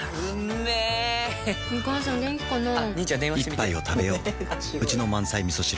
一杯をたべよううちの満菜みそ汁